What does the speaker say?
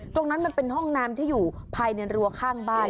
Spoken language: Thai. ตรงนั้นมันเป็นห้องน้ำที่อยู่ภายในรัวข้างบ้าน